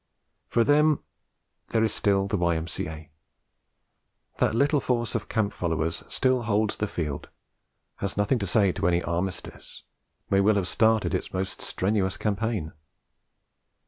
For them there is still the Y.M.C.A. That little force of camp followers still holds the field, has nothing to say to any Armistice, may well have started its most strenuous campaign.